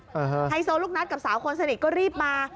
ไฮโซลูกนัดกับสาวคนสนิทก็รีบมา